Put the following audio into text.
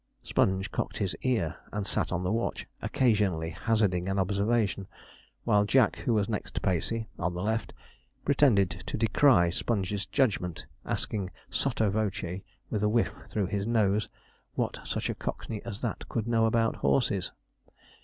Sponge cocked his ear, and sat on the watch, occasionally hazarding an observation, while Jack, who was next Pacey, on the left, pretended to decry Sponge's judgement, asking sotto voce, with a whiff through his nose, what such a Cockney as that could know about horses?